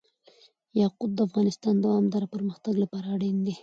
یاقوت د افغانستان د دوامداره پرمختګ لپاره اړین دي.